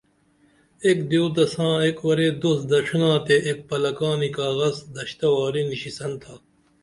ایک دیو تساں ایک ورے دوست دڇھنا تے ایک پلکانی کاغذ دشتہ واری نیشیسن تھا